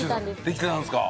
できてたんですか？